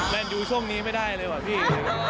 แนนยูช่วงนี้ไม่ได้เลยว่ะพี่